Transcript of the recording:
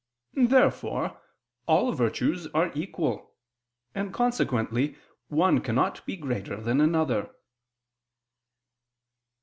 Therefore all virtues are equal; and consequently one cannot be greater than another.